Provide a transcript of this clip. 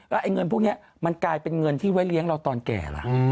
ไอ้เงินพวกนี้มันกลายเป็นเงินที่ไว้เลี้ยงเราตอนแก่ล่ะ